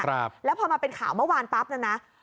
ครับแล้วพอมาเป็นข่าวเมื่อวานปั๊บเนี่ยนะ